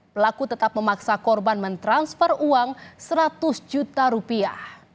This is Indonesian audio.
pelaku tetap memaksa korban mentransfer uang seratus juta rupiah